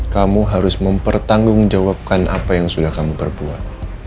kamu harus mempertanggung jawabkan apa yang sudah kamu berbuat